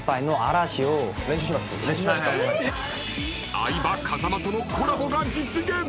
［相葉風間とのコラボが実現］